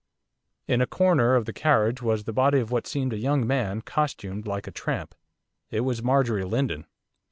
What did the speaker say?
In a corner of the carriage was the body of what seemed a young man costumed like a tramp. It was Marjorie Lindon.